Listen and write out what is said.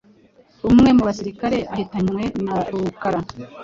umwe mu basirikare ahitanwe na Rukara